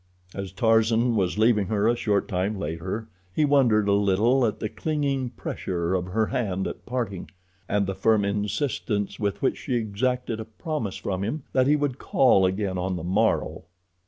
As Tarzan was leaving her a short time later he wondered a little at the clinging pressure of her hand at parting, and the firm insistence with which she exacted a promise from him that he would call again on the morrow.